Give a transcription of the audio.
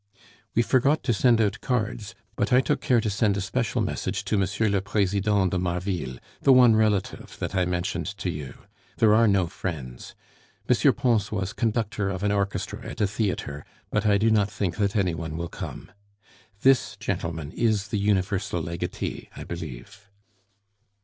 "We forgot to send out cards; but I took care to send a special message to M. le Presidente de Marville, the one relative that I mentioned to you. There are no friends. M. Pons was conductor of an orchestra at a theatre, but I do not think that any one will come. This gentleman is the universal legatee, I believe."